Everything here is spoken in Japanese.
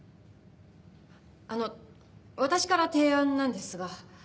あの私から提案なんですが。